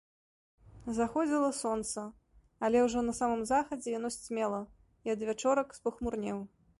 Заходзіла сонца, але ўжо на самым захадзе яно сцьмела, і адвячорак спахмурнеў.